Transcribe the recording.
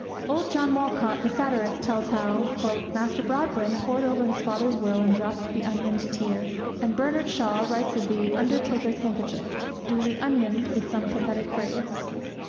Old John Wolcott, the satirist, tells how ...... Master Broadbrim Pored o'er his father's will and dropped the onioned tear. And Bernard Shaw writes of 'the undertaker's handkerchief, duly onioned with some pathetic phrase.'